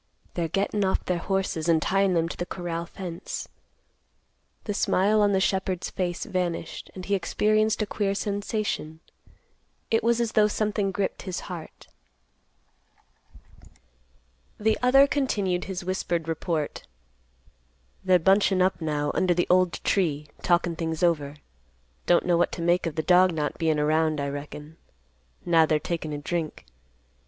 "They're gettin' off their horses, and tyin' them to the corral fence." The smile on the shepherd's face vanished, and he experienced a queer sensation; it was as though something gripped his heart. The other continued his whispered report; "They're bunchin' up now under the old tree, talkin' things over. Don't know what to make of the dog not bein' around, I reckon. Now they're takin' a drink.